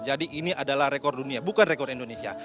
jadi ini adalah rekor dunia bukan rekor indonesia